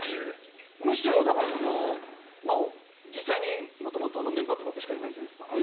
むしろ、実際にもともとメンバーって僕しかいないじゃないですか。